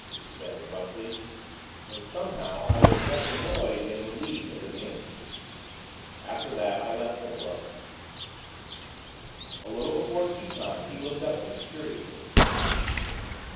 he said, abruptly; and, somehow, I was less annoyed, than relieved, at his answer. After that, I left him alone. A little before teatime, he looked up at me, curiously.